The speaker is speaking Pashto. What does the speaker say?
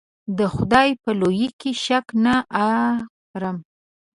د خدای په لویي کې شک نه ارم.